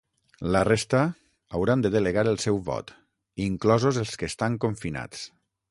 La resta hauran de delegar el seu vot, inclosos els que estan confinats.